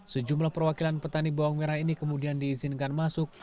sejumlah perwakilan petani bawang merah ini kemudian diizinkan masuk